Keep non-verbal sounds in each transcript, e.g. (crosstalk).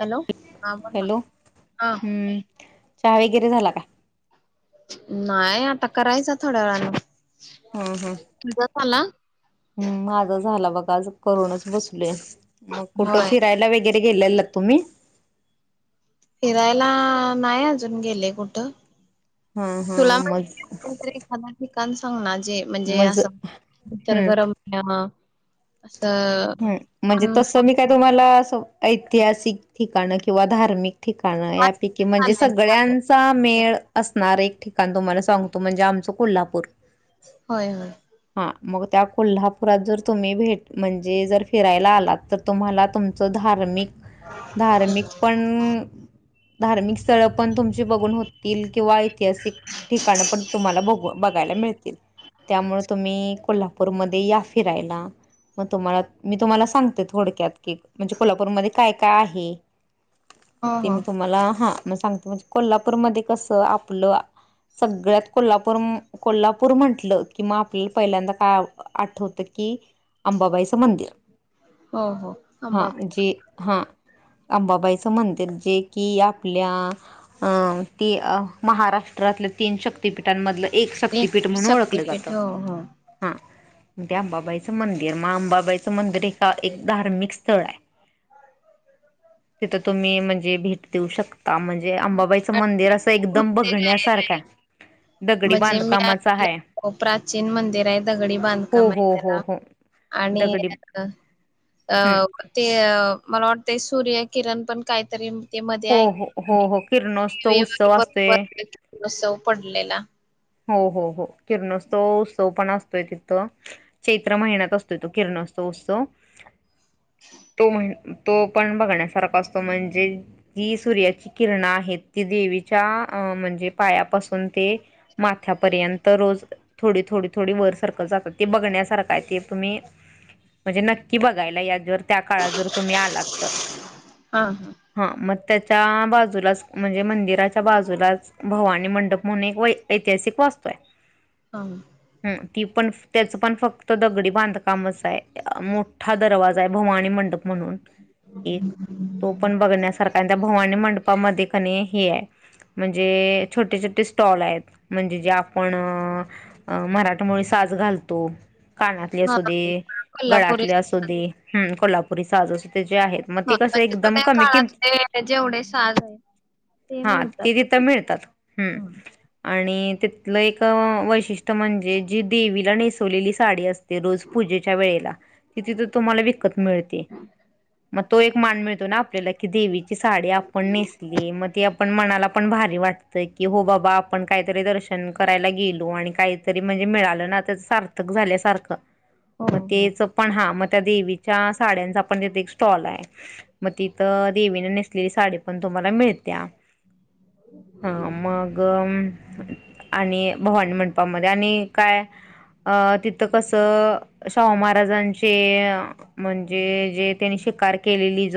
Hello हा बोल ना हॅलो हा हम्म चहा वगैरे झाला का? नाही आता करायच थोड्या वेळाने तुझा झाला? हम् माझा झाला बघा आज करूनच बसल. मग कुठं होय फिरायला वगैरे गेलेल तुम्ही? फिरायला नाही अजून गेले कुठं. हा हा तुला मग माहीत एखादा ठिकाण सांग ना जे म्हणजे मज असं इतर गरम हम् म्हणजे तस मी काय तुम्हाला ऐतिहासिक ठिकाणं किंवा धार्मिक ठिकाणं यापैकी म्हणजे चालेल सगळ्यां चालेल चा मेळ असणार एक ठिकाण तुम्हाला सांगतो म्हणजे आमचं कोल्हापूर. होय हय हा मग त्या कोल्हापुरात जर तुम्ही भेट म्हणजे जर फिरायला आलात तर तुम्हाला तुमचं धार्मिक धार्मिक पण धार्मिक स्थळ पण तुमची बघून होतील किंवा ऐतिहासिक. ठिकाण पण तुम्हाला बघ बघायला मिळतील त्यामुळे तुम्ही कोल्हापूरमध्ये या फिरायला मग तुम्हाला मी तुम्हाला सांगते थोडक्यात. क म्हणजे कोल्हापूरमध्ये काय काय आहे हो ते हो मी तुम्हाला कोल्हापूरमध्ये कसं आपलं सगळ्यात कोल्हापूर कोल्हापूर म्हंटलं कि मग आपल्याला पहिल्यांदा काय आठवत की अंबाबाईचं मंदिर हो हो हा अंबाबाई जे हा अंबाबाईच म्हणते जे कि आपल्या अ ती महाराष्ट्रातले तीन शक् शपीठांमधलं एक शक्तिपीठ म्हणून ओळखलं जातं शक्तपीठ हो हो हा ते अंबाबाईचं मंदिर मंदिर मा अंबाबाईचं मंदिर ए एक धार्मिक स्थळ आहे तिथं तुम्ही म्हणजे भेट देऊ शकता म्हणजे म्हणजे अंबाबाईचं आणि मंदिर असं एकदम मंदिर आहे बघण्यासारखं दगडी म्हणजे बांधकामाचा मीई आहे प्राचीन मंदिर आहे दगडी हो बांधकाम आहे हो हो त्याला हो आणि दगडी अ हम्म ते मला वाटतंय सूर्य किरण पण काहीतरी ते मध्ये हो हो हो हो किरणोत्सव उत्सव ऐक असतोय बत्सव पडलेला हो हो हो किरणोत्सव उत्सव पण असतोय तिथ चैत्र महिन्यात असतो तो किरण उत्सव तो महिन्याय. तो पण बघण्यासारखा असतो म्हणजे? जी सूर्याची किरणा आहेत ती देवीच्या अ म्हणजे पायापासून ते माथ्यापर्यंत रोज थोडी थोडी थोडी वर सरखल जातात ते बघण्यासारखा आहे ते तुम्ही म्हणजे नक्की बघायला यार त्या काळात जर तुम्ही आलात तर हा मग त्याच्या बाजूलाच म्हणजे मंदिराच्या बाजूलाच भवानी मंडप म्हणून एक व ऐतिहासिक वास्तू आहे हं हम ती पण त्याचं पण फक्त दगडी बांधकामच आहे मोठ मोठा दरवाजा आहे भवानी मंडप म्हणून एक तो पण बघण्यासारखा आणि त्या भवानी मंडपामध्ये कनी हे आहे म्हणजे छोटे छोटे स्टॉल आहेत म्हणजे जे आपण मराठामुळे साज घालतो कानातले हा असू दे कोल्हापुरी गळातले असू दे हम्म कोल्हापुरी साहज अस ते जे आहेत मग हो ते कसं एकदम म्हणजे कमी किमतीत काळातले जेवढे साज आहे हा ते तिथं मिळतात हम्म हा आणि तिथलं एक वैशिष्ट्य म्हणजे जी देवीला नेसवलेली साडी असते रोज पूजेच्या वेळेला तिथि तर तुम्हाला विकत मिळते मग तो एक मान मिळतो ना आपल्याला की देवीची साडी आपण नेसली मग ती आपण मनाला पण भारी वाटतं की हो बाबा आपण काहीतरी दर्शन करायला गेलो आणि काहीतरी म्हणजे मिळालं ना त्या सार्थक झाल्यासारखं हो मग हो तेच पण हा म त्या देवीच्या साड्यांचा आपण तथे एक स्टॉल आहे मग तिथं देवी साडी पण तुम्हाला मिळत्या ह मग आणि भवानी म्हपामध्येध्ये आणि काय अ तिथं कसं शाहू महाराजांचे म्हणजे जे त्यांनी शिकार केलेली ज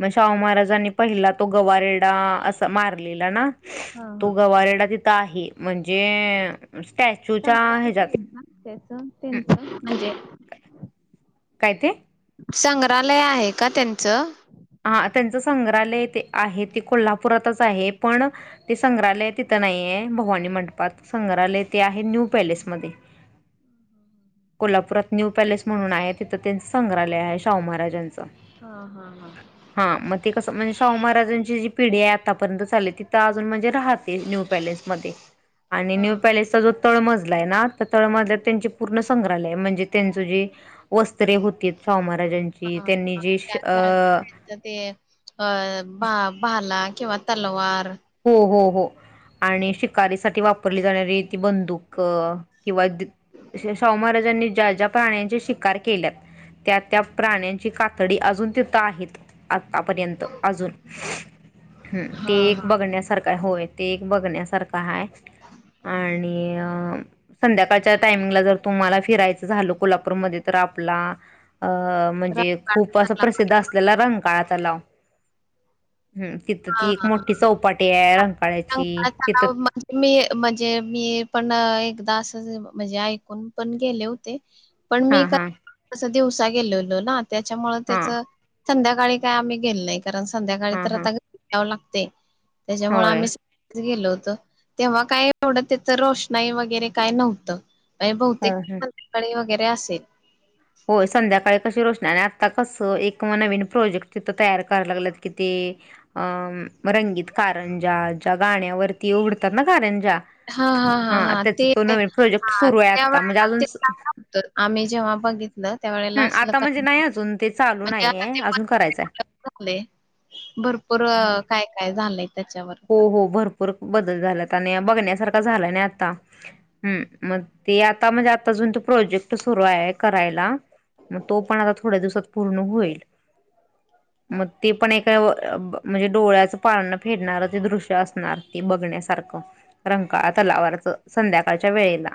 मग शाहू महाराजांनी पहिला तो गवारडा अस मारलेला ना हा हा तो गवारेडा तिथं आहे म्हणजे स्टॅच्यूच्या संग्रहालय ह्याच्यात आहे ना त्याच हं, तनच म्हणजे काय ते संग्रहालय आहे का त्यांचं हा त्यांचं संग्रहालय ते आहे ते कोल्हापुरातच आहे पण ते संग्रहालय तिथं नाही आहे भवानी म्हणटपात संग्रहालय ते आहे न्यू पॅलेसमध्येध्ये कोल्हापुरात न्यू पॅलेस म्हणून आहे तिथं त्यांच संग्रहालय आहे शाहू महाराजांचं. हा हा हा हा मग तेी कसं म्हणजे शाह महाराजांची जी पिढी आहे आतापर्यंत चालली तिथं अजून म्हणजे राहात. न्यू पॅलेसमध्ये आणि हा न्यू पॅलेस. जो तळमजला आहे ना त्या तळमजल्यात त्यां पूर्ण संग्रहालय म्हणजे त्यांच जे वस्त्रे होती शाहू महाराजांची हा त्यांनी हा जी श त्या काळात त्यांचं ते अ बा भाला किंवा तलवार हो हो हो आणि शिकारीसाठी वापरली जाणारी बंदुक किंवा शाहू महाराजांनी ज्या ज्या प्राण्यांचे शिकार. केल्या त्या त्या प्राण्यांची कातडी अजून तिथं आहेत. आतापर्यंत अजून हम हां, ते. हां. बघण्यासारखं आहे होय ते एक बघण्यासारखं आहे आणि संध्याकाळच्या टायमिंगला जर तुम्हाला फिरायचं झाल कोल्हापूरमध्ये तर आपला अ म्हणजे खूप अस रस्त्याला प्रसिद्ध असलेला रंकाळा तलाव. तिथं ती हां, एक मोठी चौपाटी आहे रंगकाळ्याची कंटाळा तिथं तणाव म्हणजे मी म्हणजे मी पण एकदा अस म्हणजे ऐकून पण गेले होते पण मी हां, हां. दिवसा गेलोलो ना त्याच्यामुं हा त्याच संध्याकाळी काय आम्ही गेलो नाही कारण संध्याकाळी हा तर हा आता घरी जावं लागते त्याच्यामुळे होय आम्ही गेल होत तेव्हा काय एवढं त्याच रोषणाई वगैरे काय नव्हतं. नाही हो बहुतेक हो संध्याकाळी वगैरे असेल. होय संध्याकाळी कशी रोषणार आणि आता कसं एक नवीन प्रोजेक्ट तिथं तयार करायला लागलेत किती. अं रंगीत कारंजा ज्या गाण्यावरती उघडतात ना कारंजा हां, हां, हा हां, हां. त्याचा ते तो नवीन प्रोजेक्ट सुरू आहे आता म्हणजे अजून. तर आम्ही जेव्हा बघित बघितलं त्या वेळे. हम् आता म्हणजे नाही अजून ते चालू नाहीये अजून करायचंय. झा भरपूर हा काय काय झालंय त्याच्यावर. हो आता. हो भरपूर बदल झालात आणि बघण्यासारखा झालं नाही आता. हम् मग ते आता म्हणजे आता अजून तो प्रोजेक्ट सुरू आहे करायला. मग तो पण आता थोड्या दिवसात पूर्ण होईल. मग ते पण एक म्हणजे डोळ्याचं पान फिरणार. दृश्य असणार ते बघण्यासारखं. रंकाळा तलावच संध्याकाळच्या वेळेला.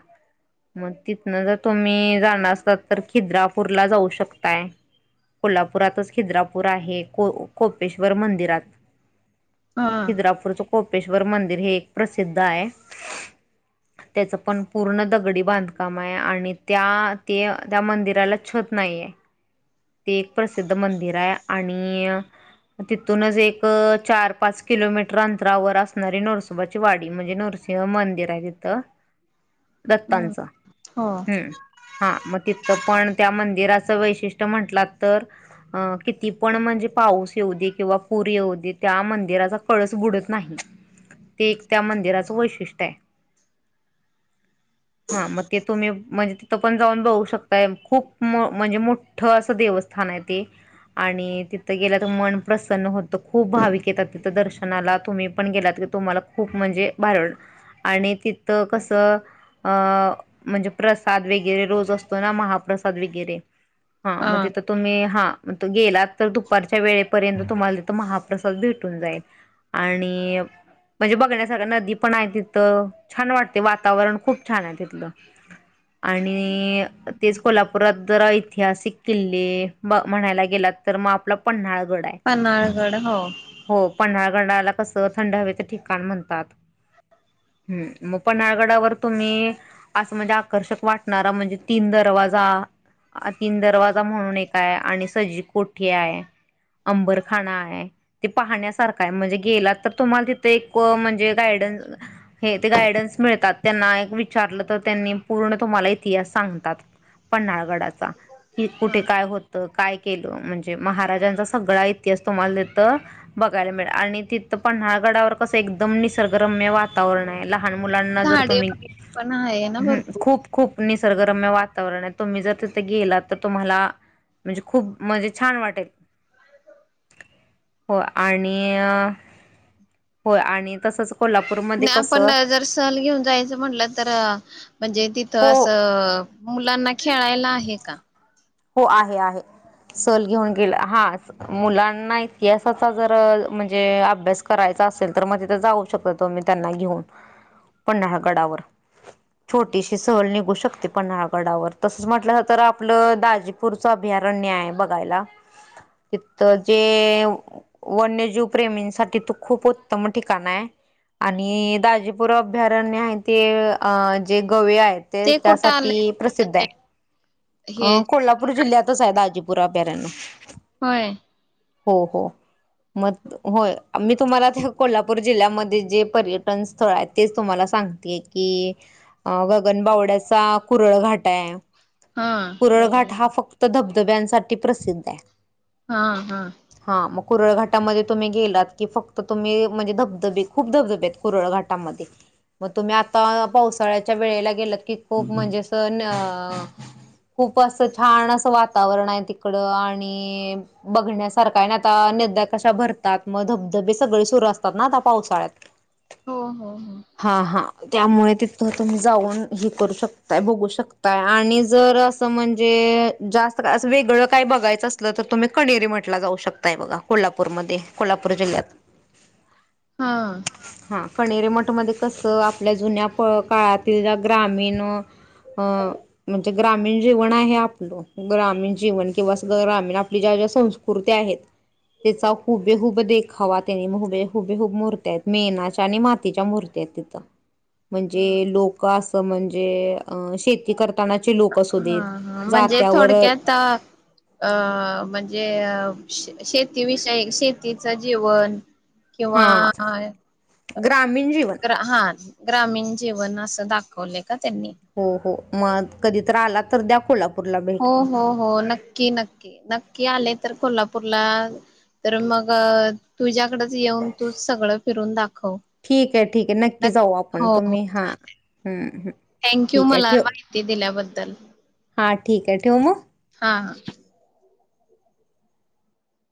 मग तिथनं जर तुम्ही जाणार असता तर खिद्रापूरला जाऊ शकताय कोल्हापुरातच खिद्रापूर आहे को कोपेश्वर मंदिरात. हा कोल्हापूरचं कोपेश्वर मंदिर हे एक प्रसिद्ध आहे. त्याच पण पूर्ण दगडी बांधकाम आहे आणि त्या ते त्या मंदिराला छत नाही आहे. ते एक प्रसिद्ध मंदिर आहे आणि तिथूनच एक चार पाच किलोमीटर अंतरावर असणारी नरसोबाची वाडी म्हणजे नरसिंह मंदिर आहे तिथं. हम्म दत्तच हो ह्म्म हा मग तिथं पण त्या मंदिराचं वैशिष्ट्य म्हंटला तर अ किती पण म्हणजे पाऊस येऊ दे किंवा पूर येऊ दे त्या मंदिराचा कळस बुडत नाही ते एक त्या मंदिराचं वैशिष्ट्य आहे. (unintelligible) हा मग ते तुम्ही म्हणजे तिथं पण जाऊन बघू शकताय खूप मो म्हणजे मोठ ठ असं देवस्थान आहे ते. आणि तिथं गेल्या तर मन प्रसन्न होतं खूप भाविक येतात तिथ दर्शनाला तुम्ही पण गेलात क तुम्हाला खूप म्हणजे भारी आणि तिथं कसं अ म्हणजे प्रसाद वगैरे रोज असतो ना महाप्रसाद वगैरे. हा मग तिथं तुम्ही हाग त गेलात तर दुपारच्या वेळेपर्यंत तुम्हाला तिथं महाप्रसाद भेट. जाईल आणि. म्हणजे बघण्या सगळं नदी पण आहे तिथं छान वाटते वातावरण खूप छान आहे तिथलं. आणि तेच कोल्हापुरात जरा ऐतिहासिक किल्ले. म्हणायला गेलात तर मग आपला पन्हाळगड आहे. पनाळगड हो. हो पन्हाळगडाला कसं थंड हवेच ठिकाण म्हणतात. हम् पन्हाळगडावर तुम्ही. असं म्हणजे आकर्षक वाटणारा म्हणजे तीन दरवाजा. अ तीन दरवाजा म्हणून एक आहे आणि सजी कोठी आहे. अंबरखाना आहे ते पाहण्यासारखा आहे म्हणजे गेला तर तुम्हाला तिथे एक म्हणजे. ते गायडन्स मिळतात त्यांना विचारलं तर त्यांनी पूर्ण तुम्हाला. इतिहास सांगतात पन्हाळगडाचा कि कुठे हा काय हो तर काय केलं म्हणजे महाराजांचा सगळा इतिहास तुम्हाला बघायला मिळा आणि तिथं पन्हाळगडावर कसं एकदम निसर्गरम्य वातावरण आहे. लहान मुलांना जर झाडे तुम्ही वगैरे पण आहे ना भरपूर. खूप. खूप निसर्गरम्य वातावरण आहे तुम्ही जर तिथे गेला तर तुम्हाला. म्हणजे खूप म्हणजे छान वाटेल. हो आणि हो आणि तसच. नाही आपण जर सहल घेऊन जायचं म्हटलं तर म्हणजे हो तिथं असं. मुलांना खेळायला आहे का. हो आहे आहे सहल घेऊन गेलं हा. मुलांना इतिहासाचा जर म्हणजे अभ्यास करायचा असेल तर मग तिथ जाऊ. शकत तो मी त्यांना घेऊन पन्हाळगडावर. छोटीशी सहल निघू शकते पन्हाळगडावर तसच म्हटलं तर आपलं दा. दाजीपूरचे अभयारण्य आहे बघायला तथ जे. वन्यजीव प्रेमींसाठी तू खूप उत्तम ठिकाण आहे. आणि दाजीपुर अभयारण्य आहे ते अ जे गवे आहेत. ते कुठं आलंय त्यासाठी प्रसिद्ध आहे. म्हणजे हे कोल्हापूर जिल्ह्यातच आहे दाजीपूर अभयारण्य. होय. हो हो मग. होय मी तुम्हाला त्या कोल्हापूर जिल्ह्यामध्ये जे पर्यटन स्थळ आहे तेच तुम्हाला सांगते. कि अ गगनबावड्याचा कुरळ घाट आहे. हा. कुरळघाट हा फक्त धबधब्यांसाठी प्रसिद्ध आहे. हा हा. हा मग कुरळघाटामध्ये तुम्ही गेलात की फक्त तुम्ही म्हणजे धबधबे खूप धबधबेतत. कुरळघाटामध्ये. मग तुम्ही आता पावसाळ्याच्या वेळेला गेल की खूप म्हणजे अस. खूप असं छान असं वातावरण आहे तिकडं आणि. बघण्यासारखा आणि आता नद्या कशा भरतात मग धबधबे सगळे सुरू असतात ना आता पावसाळ्यात. हा. हो हो हो. हा हा. त्यामुळे तिथं तुम्ही जाऊन हे करू शकताय बघू शकताय आणि जर असं म्हणज. जास्त असं वेगळं काय बघायचं असलं तर तुम्ही कणेरी मठात जाऊ शकताय बघा. कोल्हापूरमध्ये कोल्हापूर जिल्ह्यात. हा हा कणेरेमठ मध्ये कस आपल्या जुन्या प काळात ग्राण म्हणजे ग्राण जव आहे आपलं ग्रामीण जीवन किंवा ग्रामीण आपली ज्या ज्या संस्कृती आहेत त्याचा हुबे हुब देखावा त्यानी हुबे हुबे हुब मोरतयत मेनाच्या आणि मातीच्या मूर्ती आहेत तिथ म्हणजे लोक म्हणजे अ शेती करतानाचे लोक असू हा देत हा म्हणजे जात्यावर (inaudible) अ म्हणजे अ शेतीविषयी शेतीच जीवन किंवा हा ग्रामीण जीवन ग्रहण ग्रामीण जीवन असं दाखवले का त्यांनी हो हो मग कधीत आला तर द्या कोल्हापूरला भेट हो हो हो नक्की नक्की नक्की आले तर कोल्हापूरला तर मग तुझ्याकडेच येऊन तू सगळं फिरून दाखव ठीक आहे ठीक आहे नक्की जाऊ आपण तुम्ही हा. हा् ह. थँक्यू मला माहिती दिल्याबद्दल. हां ठीक आहे ठेवू मग. हा हा